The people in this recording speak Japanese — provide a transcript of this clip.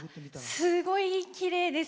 すごいきれいです。